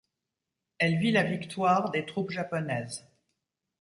Elle vit la victoire des troupes japonaises.